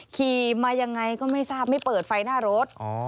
ขี่มายังไงก็ไม่ทราบไม่เปิดไฟหน้ารถ